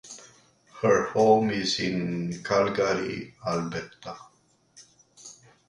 Her home is in Calgary, Alberta.